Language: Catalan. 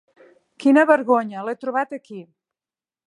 Quina vergonya, l'he trobat aquí.